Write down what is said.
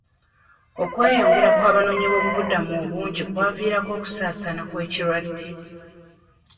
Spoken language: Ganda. OKweyongera okw'abanoonyi b'obubuddamu obungi kwandivirako okusaasaana kw'ekirwadde.